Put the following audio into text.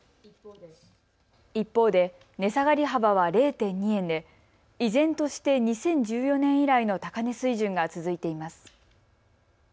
一方で値下がり幅は０．２円で依然として２０１４年以来の高値水準が続いています。